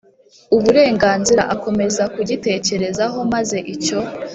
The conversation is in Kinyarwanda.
uburenganzira Akomeza kugitekerezaho maze icyo